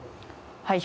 はい。